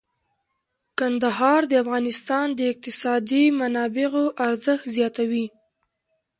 کندهار د افغانستان د اقتصادي منابعو ارزښت زیاتوي.